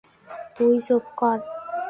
তুই চুপ কর!